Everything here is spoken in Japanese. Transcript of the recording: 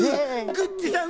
「グッチさん